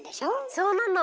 そうなの！